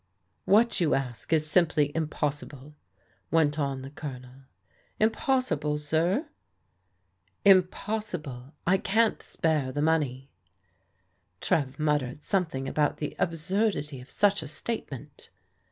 "What you ask is simply impossible," went on the G)lonel. "Impossible, sir?" " Impossible. I can't spare the money." Trev muttered something about the "absurdity of such a statement."